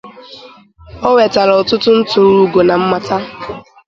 Ọ nwetala ọtụtụ ntụrụ ugo na mmata.